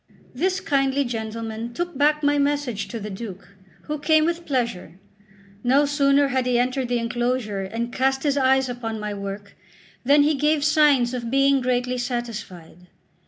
This kindly gentleman took back my message to the Duke, who came with pleasure. No sooner had he entered the enclosure and cast his eyes upon my work, than he gave signs of being greatly satisfied.